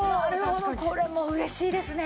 これもうれしいですね。